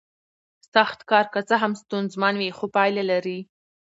سخت کار که څه هم ستونزمن وي خو پایله لري